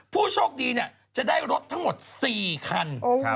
ผู้โชคดีจะได้รถทั้งหมด๔คัน